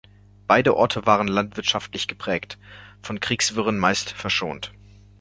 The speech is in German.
Beide Orte waren landwirtschaftlich geprägt, von Kriegswirren meist verschont.